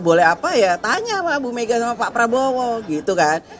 boleh apa ya tanya pak bu mega sama pak prabowo gitu kan